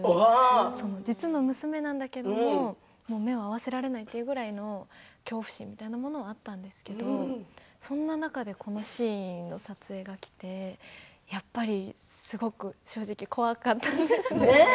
実の娘なんだけれど目が合わせられないというぐらいの恐怖心はあったんですけれどそんな中でこのシーンの撮影が来てやっぱり、すごく正直怖かったです。